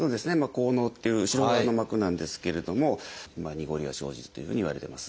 後嚢っていう後ろ側の膜なんですけれどもにごりは生じるというふうにいわれてます。